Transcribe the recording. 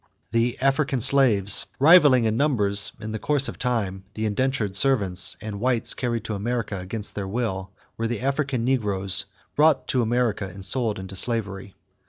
=The African Slaves.= Rivaling in numbers, in the course of time, the indentured servants and whites carried to America against their will were the African negroes brought to America and sold into slavery.